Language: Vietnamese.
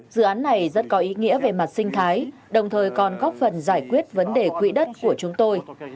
dự án này rất có ý nghĩa về mặt sinh thái đồng thời còn góp phần giải quyết vấn đề quỹ đất của chúng tôi